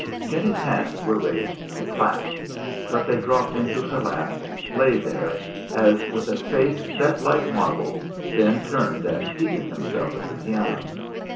Jenny's hands were raised to clap; but they dropped into her lap, lay there, as, with a face set like marble, Ben turned and seated himself at the piano.